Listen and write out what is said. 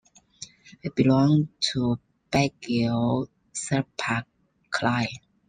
He belonged to Bagale Thapa clan.